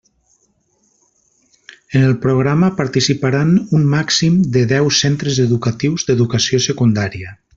En el programa participaran un màxim de deu centres educatius d'Educació Secundària.